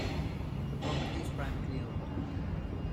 The property is privately owned.